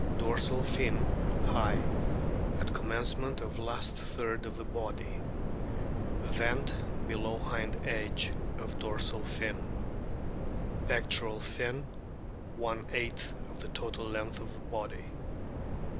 Dorsal fin high at com mencement of last third of body. Vent below hind edcve of dorsal fin. Pectoral fin * of total length O o O of body.